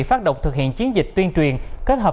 phát động thực hiện chiến dịch tuyên truyền kết hợp